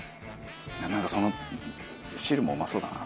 なんならその汁もうまそうだな。